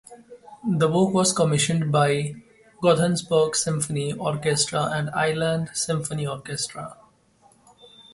The work was commissioned by the Gothenburg Symphony Orchestra and Iceland Symphony Orchestra.